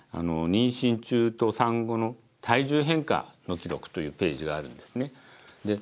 妊娠中と産後の体重変化の記録というページがあるんですね